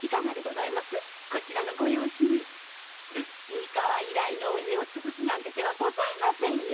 三河以来のお家を潰すなんて手はございませんよ。